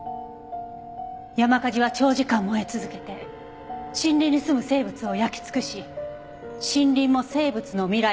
山火事は長時間燃え続けて森林にすむ生物を焼き尽くし森林も生物の未来も破滅させるものです。